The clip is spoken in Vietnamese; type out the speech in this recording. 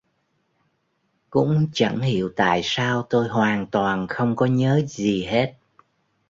Cũng chẳng hiểu tại sao tôi hoàn toàn không có nhớ gì hết